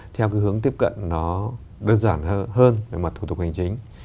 theo cái hướng tiếp cận nó đơn giản hơn về mặt thủ tục hành chính